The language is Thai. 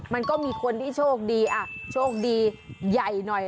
มันก็มีคนที่โชคดีโชคดีใหญ่หน่อย